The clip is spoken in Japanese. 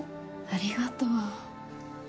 ありがとう。